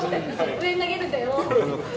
上に投げるんだよって。